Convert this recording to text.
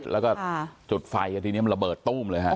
แล้วก็จุดไฟทีนี้มันระเบิดตู้มเลยฮะ